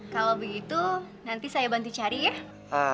kalau begitu nanti saya bantu cari ya